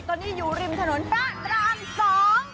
ตอนนี้อยู่ริมถนน๕ราม๒